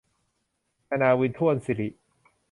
อณาวิน ถ้วนศรี